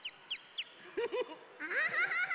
アハハハ！